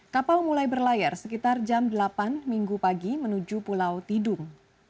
kapal mulai berlayar sekitar jam delapan minggu pagi menuju pulau tidung